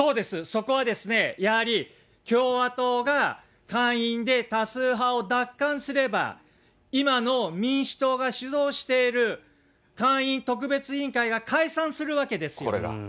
そこはやはり共和党が下院で多数派を奪還すれば、今の民主党が主導している下院特別委員会が解散するわけですよ。